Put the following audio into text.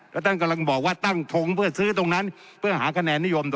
แล้วท่านกำลังบอกว่าตั้งทงเพื่อหาขแนนนิยม